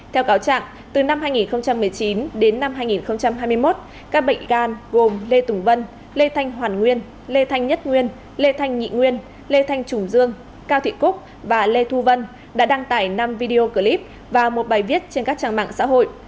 theo cáo trạng từ năm hai nghìn một mươi chín đến năm hai nghìn hai mươi một các bệnh gan gồm lê tùng vân lê thanh hoàn nguyên lê thanh nhất nguyên lê thanh nhị nguyên lê thanh trùng dương cao thị cúc và lê thu vân đã đăng tải năm video clip và một bài viết trên các trang mạng xã hội